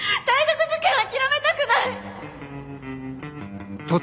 大学受験諦めたくない！